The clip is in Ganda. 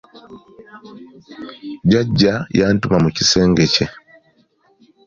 Jjajja yantuma mu kisenge kye.